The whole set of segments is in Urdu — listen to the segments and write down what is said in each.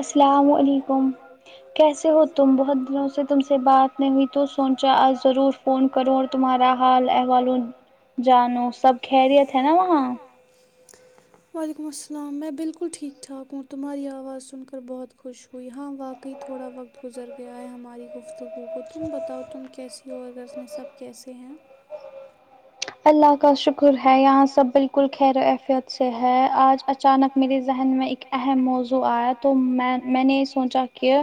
السلام علیکم کیسے ہو تم بہت دنوں سے تم سے بات نہیں ہوئی تو سوچا آج ضرور فون کرو اور تمہارا حال احوال جانو سب خیریت ہے نا وہاں وعلیکم السلام میں بالکل ٹھیک ٹھاک ہو تمہاری آواز سن کر بہت خوش ہوئی ہاں واقعی تھوڑا وقت گزر گیا ہے ہماری گفت تو گو تم بتاؤ تم کیسی ہو اور ا گھر اس میں سب کیسے ہیں اللہ کا شکر ہے یہاں سب بالکل خیر و آفیت سے ہے آج اچانک میرے ذہن میں اہم موزو آیا تو میں نے سوچا کہ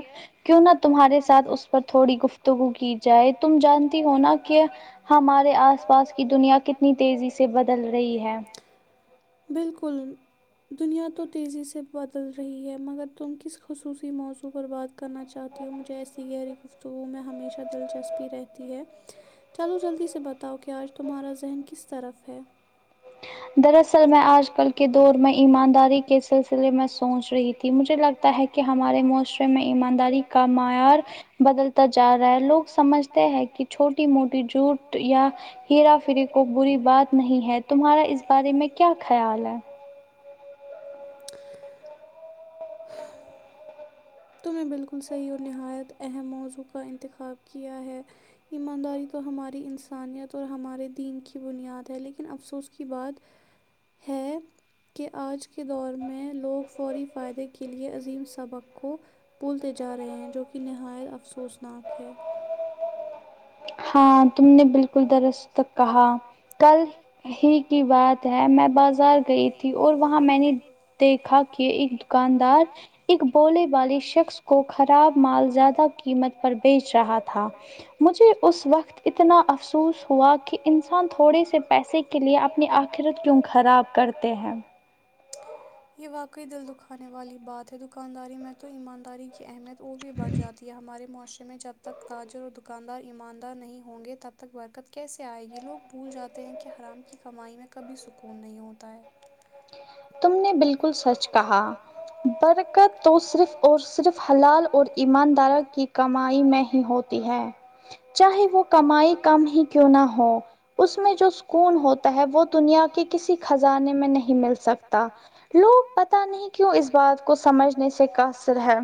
کیوں نہ تمہارے ساتھ اس پر تھوڑی گفت تو وہ کی جائے تم جانتی ہو نا کہ ہمارے آس پاس کی دنیا کتنی کتنی تیزی سے بدل گئی ہے بالکل دنیا تو تیزی سے بدل رہی ہے مگر تم کس خصوصی موضوع پر بات کرنا چاہتی ہوں مجھے ایسی گہری تو وہ میں ہمیشہ دلچسپی رہتی ہے چلو جلدی سے بتاؤ کہ آج تمہارا ذہن کی کس طرف ہے دراصل میں آج کل کے دور میں ایمانداری کے سلسلے میں سوچ رہی تھی مجھے لگتا تا ہے کہ ہمارے معاشرے میں ایمانداری کا معیار بدلتا جا رہا ہے لوگ سمجھتے ہیں کہ کی چھوٹی موٹی جھوٹ یا ہیرا فریے کو بری بات نہیں ہے تمہارا اس بارے میں کیا خیال ہے تمہ نے بالکل صحیح اور نہایت اہم موضوع کا انتخاب کیا ہے ایمانداری تو ہماری انسانیت اور ہمارے دین کی بنیاد ہے لیکن افسوس کی بات کہ آج کے دور میں لوگ فوری فائدے کے لیے عظیم سبق کو بھولتے جا رہے ہیں جو کہ نہایت افسوسناک ہے ہاں تم نے بالکل درص تک کہا کل ہی کی بات ہے میں بازار گئی تھی اور وہاں میں نے دیکھا کہ ایک دکاندار ایک بولے والے شخص کو خراب مال زیادہ قیمت پر بیچ رہا تھا مجھے اس وقت اتنا افسوس ہوا کہ انسان تھوڑے سے پیسے کے لیے اپنی آنکھ آخرت کیوں خراب کرتے ہیں یہ واقعی دل دکھانے والی بات ہے دکانداری میں تو ایمانداری کی اہمیت وہ بھی بڑھ جاتی ہے ہمارے معاشرے میں جب تک تاجر اور دکان دکاندار ایماندار نہیں ہوں گے تب تک برکت کیسے آئے گی لوگ بھول جاتے ہیں کہ حرام کی کمائی میں کبھی سکون نہیں ہوتا ہے تم نے بالکل سچ کہا برکت تو صرف اور صرف حلال اور ایمانداروں کی کمائی میں ہی ہوتی تی ہے چاہے وہ کمائی کم ہی کیوں نہ ہو اس میں جو سکون ہوتا ہے وہ دنیا کے کسی خزانے میں نہیں مل سکتا لوگ پتا نہیں کیوں اس بات کو سمجھنے سے قاثر ہے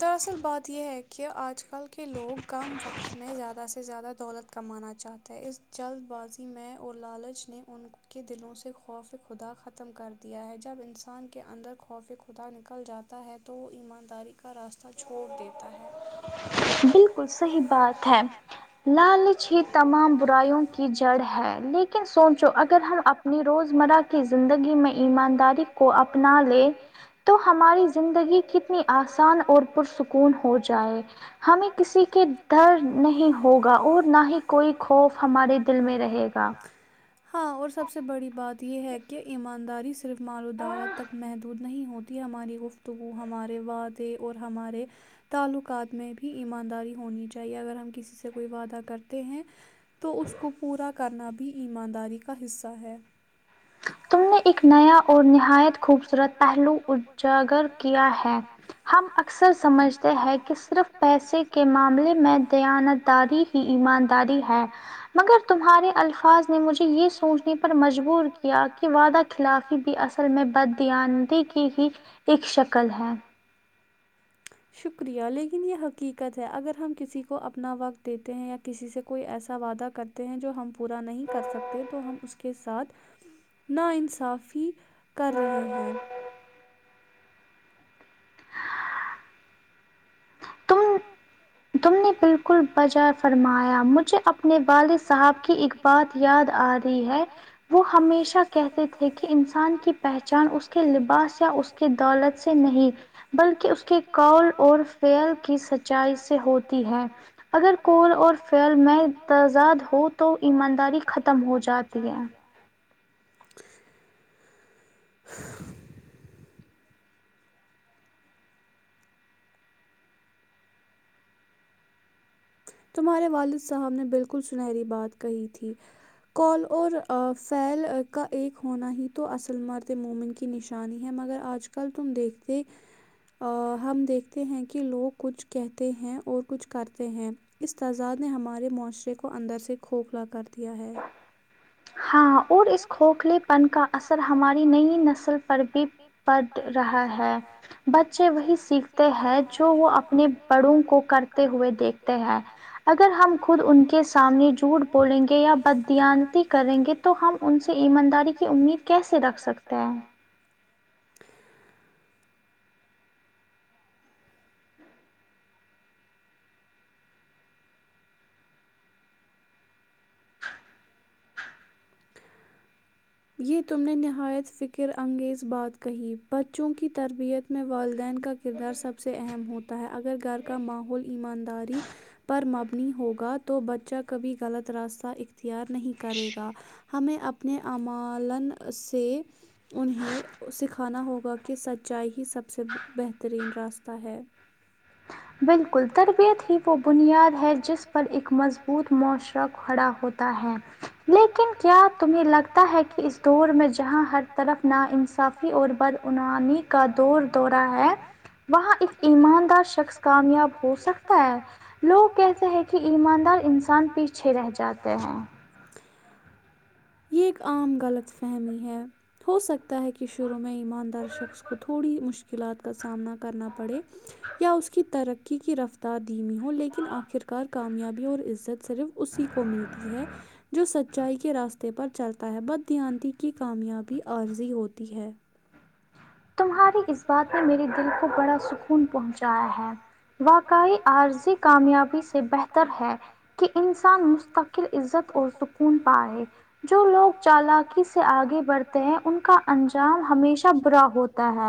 درصل بات یہ ہے کہ آج کل کے لوگ کم وقت میں زیادہ سے زیادہ دولت کمانا چاہتے اس جلد بازی میں اور لالچ نے ان کو کے دلوں سے خوف خدا ختم کر دیا ہے جب انسان کے اندر خوفا خدا نکل جاتا ہے تو وہ ایمانداری کا راستہ چھوڑ دیتا ہے [unintelligible] بالکل صحیح بات ہے لالچ ہی تمام برائیوں کی جڑ ہے لیکن لیکن سوچو اگر ہم اپنی روزمرہ کی زندگی میں ایمانداری کو اپنا لے تو ہماری زندگی کتنی آسان اور پرسکون ہو جائے ہمیں کسی کے ڈر نہیں ہوگا اور نہ ہی کوئی خوف ہمارے دل میں رہے گا ہاں اور سب سے بڑی بات یہ ہے کہ ایمانداری صرف مال و دولت تک محدود نہیں ہوتی ہماری گفتگو ہمارے وعدے اور ہمارے تعلقات میں بھی ایمانداری ہونی چاہیے اگر ہم کسی سے کوئی وعدہ کرتے ہیں تو اس کو پورا کرنا بھی ایمانداری کا حصہ ہے تم نے ایک نیا اور نہایت خوبصورت پہلو اجا اجاگر کیا ہے ہم اکثر سمجھتے ہیں کہ صرف پیسے کے معاملے میں دیانت داری کی ایمانداری ہے مگر تمہارے الفاظ نے مجھے یہ سوچنے پر مجبور کیا کہ وعدہ خلافی بھی اصل میں بدیانتیی کی ہی ایک شکل ہے [inaudible] شکریہ لیکن یے حقیقت ہے اگر ہم کسی کو اپنا وقت دیتے ہیں یا کسی سے کوئی ایسا وعدہ کرتے ہیں جو ہم پورا نہیں کر سکتے تو ہم اس کے ساتھ نا انصافی کر رہے ہیں توم تم نے بالکل بجائے فرمایا مجھے اپنے والد صاحب کی ایک بات یاد آ رہی ہے وہ ہمیشہ کہتے تھے کی انسان کی پہچان اس کے لباس یا اس کی دولت سے نہیں بلکہ اس کے قول اور فیل کل کی سچائی سے ہوتی ہے اگر [unintelligible] میں تزاد ہو تو ایمانداری ختم ہو جاتی ہے [unintelligible] تمہارے والد صاحب نے بالکل سنہری بات کہی تھی قول اور فیل کا ایک ہونا ہی تو اصل مرد مومن کی نشان جانی ہے مگر آج کل تم دیکھتے ہم دیکھتے ہیں کی لوگ کچھ کہتے ہیں اور کچھ کرتے ہیں اس تضاد نے ہمارے معاشرے کو اندر سے کھوکھلا کر دیا ہے ہاں اور اس کھوکھلے پن کا اثر ہماری نئی نسل پر بھی پڑھ رہا ہے بچے وہی سیکھتے ہیں جو وہ اپنے بڑوں کو کرتے ہوئے ہوئے دیکھتے ہیں اگر ہم خود ان کے سامنے جھوٹ بولیں گے یا بدیانتی کریں گے تو ہم ان سے ایمانداری کی امید کیسے رکھ سکتے ہیں [inaudible] یے تم نے نہایت فکر انگیز بات کہی بچوں کی تربیت میں والدین کا کردار سب سے اہم ہوتا ہے اگر گھر کا ماحول ایمانداری پر مبنی ہوگا تو بچہ کبھی غلط راستہ اختیار نہیں کرے گا ہمیں اپنے اعمالن سے انہیں سکھانا ہوگا کہ سچائی ہی سب سے بہترین راستہ ہے [inaudible] بالکل تربیت ہی وہ بنیاد ہے جس پر ایک مضبوط معاشرہ کھڑا ہوت تا ہے لیکن کیا تمہیں لگتا ہے کی اس دور میں جہاں ہر طرف نا انصافی اور بدعنوانی کا دور دورہ ہے وہاں ایک ایماندار شخص کا کامیاب ہو سکتا ہے لوگ کہتے ہیں کی ایماندار انسان پیچھے رہ جاتے ہیں عام غلط فہمی ہے ہو سکتا ہے کی شروع میں ایماندار شخص کو تھوڑی مشکلات کا سامنا کرنا پڑے یا اس کی ترقی کی رفتار دھیمی ہو لیکن آخر کار کامیابی اور عزت صرف اسی کو ملتی ہے جو سچائی کے راستے پر چل تا ہے بد دیانتی کی کامیابی عارضی ہوتی ہے تمہاری اس بات نے میرے دل کو بڑا سکون پہنچایا ہے واقعی عارضی کامیابی سے بہتر ہے کی انسان مستقل عزت اور سکون پائے جو لوگ چالاکی سے آگے بڑھتے ہیں ان کا انجام ہمیشہ برا تا ہے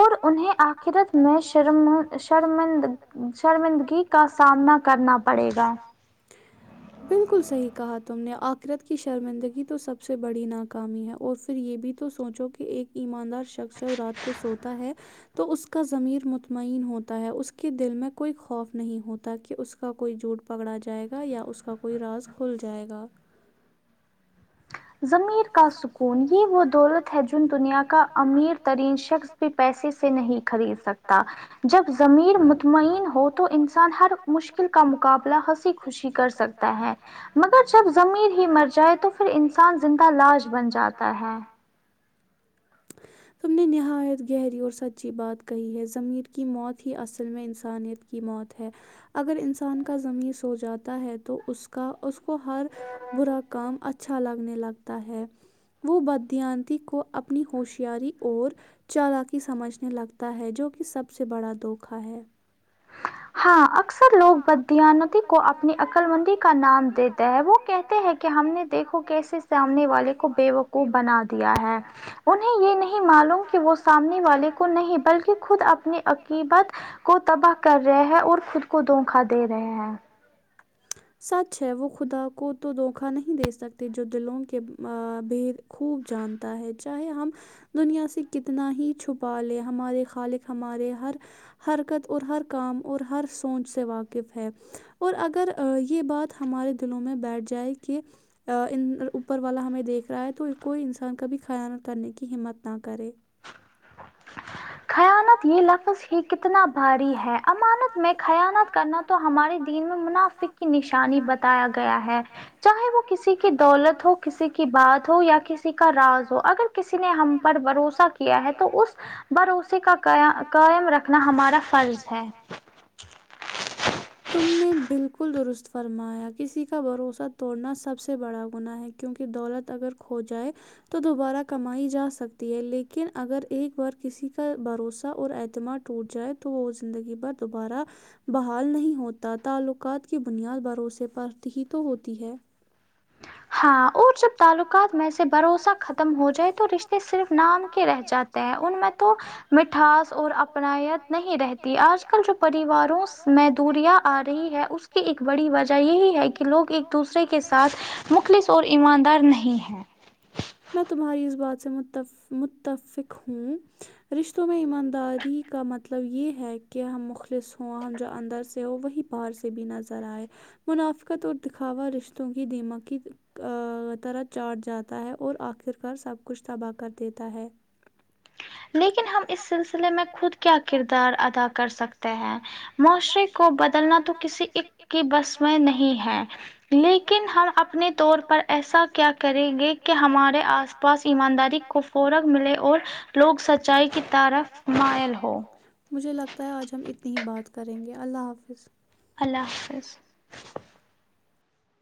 اور انہیں آخرت میں شرم شرمندگ شرمندگی کا سامنا کرنا پڑے گا بالکل صحیح کہا تم نے آخرت کی شرمندگی تو سب سے بڑی ناکامی ہے اور پھر یے بھی تو سوچو کی ایک ایماندار شخص جب رات کو سوتا ہے تو اس کا ضمیر مطمئن ہوتا ہے اس کے دل میں کوئی خوف نہیں ہوتا کہ اس کا کوئی جھوٹ پکڑا جائے گا یا اس کا کوئی راز کھل جائے گا ضمیر کا سکون یہ وہ دولت ہے جن دنیا کا ام امیر ترین شخص بھی پیسے سے نہیں خرید سکتا جب ضمیر مطمئن ہو تو انسان ہر مشکل کا مقابلہ ہنسی خوشی کر سکتا ہے مگر جب ضمیر ہی مر جائے تو پھر انسان زندہ لاش بن جاتا ہے تم نے نہایت گہری اور سچی بات کہی ہے ضمیر کی موت ہی اصل میں انسانیت کی موت ہے اگر انسان کا ضمیر سو جاتا ہے تو اس کا اس کو ہر برا کام اچھا لگنے لگتا ہے وہ بدیانتی کو اپنی ہوش یاری اور چالاکی سمجھنے لگتا ہے جو کی سب سے بڑا دھوکا ہے [inaudible] ہاں اکثر لوگ بدیانتی کو اپنی عقلمندی کا نام دیتے ہیں وہ کہتے ہیں کہ ہم نے دیکھو کیسے سامنے والے کو بےوقوف بنا دیا ہے انہیں یہ نہیں معلوم کہ وہ سامنے والے کو نہیں بلکہ خود اپنی عقیدت کو تباہ کر ہے اور خود کو دھوکا دے رہے ہیں سچ ہے وہ خدا کو تو دھوکہ نہیں دے سکتے جو دلوں کے بھید خوب جانتا ہے چاہے ہم دنیا سے کتنا ہی چھپا لے ہمارے خالق ہمارے ہر حرکت اور ہر کام اور ہر سونچ سے واقف ہے اور اگر یہ بات ہمارے دلوں میں بیٹھ جائے کہ آ ان اوپر والا ہمیں دیکھ رہا ہے تو کوئی انسان کبھی خیال کرنے کی کی ہمت نہ کرے [inaudible] خیانت یہ لفظ ہی کتنا بھاری ہے امانت میں خیانت کرنا تو ہمارے دین میں منافق کی نشانی بتایا گیا ہے چاہے وہ کسی کی دولت ہو کسی کی بات ہو یا کسی کا راز ہو اگر کسی نے کیسی نے ہم پر بھروسہ کیا ہے تو اس بھروسے کا قا قائم رکھنا ہمارا فرض ہے [inaudible] تم نے بالکل درست فرمایا کسی کا بھروسہ توڑنا سب سے بڑا گناہ ہے کیونکہ دولت اگر کھو جائے تو دوبارہ کمائی جا س سکتی ہے لیکن اگر ایک بار کسی کا بھروسہ اور اعتماد ٹوٹ جائے تو تو وہ زندگی بھر دوبارہ بحال نہیں ہوتا تعلقات کی بنیاد بھروسے پر ہی تو ہوتی ہے ہاں اور جب تعلقات میں سے بھروسہ ختم ہو جائے تو رش صرف نام کے رہ جاتے ہیں ان میں تو مٹھاس اور اپنایت نہیں رہ تی آج کل جو پریواروں میں دوریاں آ رہی ہے اس کی ایک بڑی وجہ یہی ہے کہ لوگ ایک دوسرے کے ساتھ مخلص اور ایماندار نہیں ہیں میں تمہاری اس بات سے متف متفق ہوں رشتوں میں ایمانداری کا مطلب یہ ہے کہ ہم مخلص ہوں ہم جو اندر سے ہوں وہی باہر سے بھی نظر آئے منافقت اور دکھاوا رشتوں کی دیمک کی کا آ طرح چاٹ جاتا ہے اور آخرکار سب کچھ تباہ کر دیتا ہے لیکن ہم اس سلسلے میں خود کیا کردار ادا کر سکتے ہیں معاشرے کو بدلنا تو کسی ایک کی بس میں نہیں ہے لیکن ہر اپنے طور پر ایسا کیا کریں گے کہ ہمارے آس پاس ایمانداری کو فورغ ملے اور لوگ سچائی کی طرف مائل ہوں مجھے لگتا ہے آج ہم اتنی ہی بات کریں گے اللہ حافظ اللہ حافظ